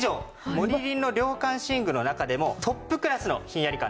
モリリンの涼感寝具の中でもトップクラスのひんやり感です。